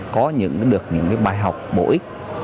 có được những bài học bổ ích